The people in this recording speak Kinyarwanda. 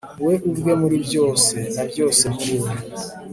we ubwe muri byose, na byose muri we